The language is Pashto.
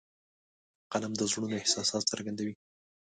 قلم د زړونو احساسات څرګندوي